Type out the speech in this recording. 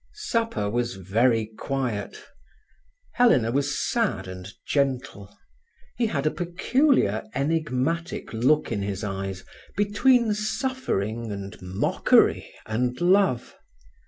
Supper was very quiet. Helena was sad and gentle; he had a peculiar, enigmatic look in his eyes, between suffering and mockery and love.